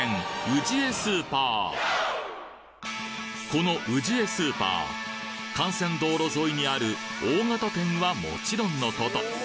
このウジエスーパー幹線道路沿いにある大型店はもちろんのこと